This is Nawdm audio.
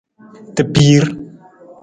Tabiir.